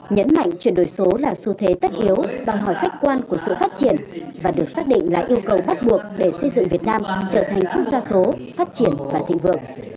nhấn mạnh chuyển đổi số là xu thế tất yếu đòi hỏi khách quan của sự phát triển và được xác định là yêu cầu bắt buộc để xây dựng việt nam trở thành quốc gia số phát triển và thịnh vượng